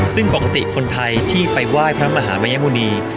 ซึ่งปกติคนไทยที่ไปว่ายพระมหามยมูนี